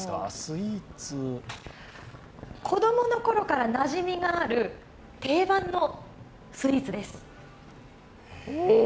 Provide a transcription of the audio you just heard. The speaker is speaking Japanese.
スイーツ子供のころからなじみのある定番のスイーツです。